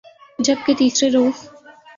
جب کہ تیسرے روز